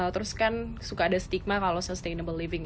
terus kan suka ada stigma kalau sustainable living